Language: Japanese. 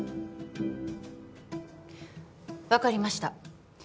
分かりました